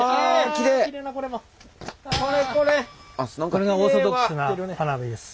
これがオーソドックスな花火です。